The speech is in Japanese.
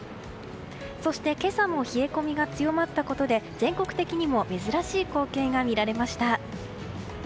そして今朝も冷え込みが強まったことで全国的にも珍しい光景が見られました。